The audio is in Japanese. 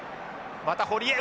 また堀江。